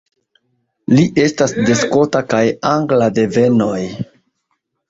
Li estas de skota kaj angla devenoj.